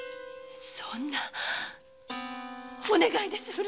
そんなお願いです。